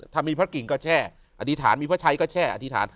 ถ้ามีพระกิ่งก็แช่ออธิษฐานมีพระชัยก็แช่อธิษฐาน